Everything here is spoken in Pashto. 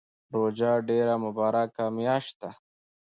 روژه ډیره مبارکه میاشت ده